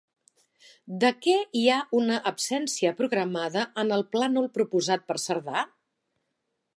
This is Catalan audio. De què hi ha una absència programada en el plànol proposat per Cerdà?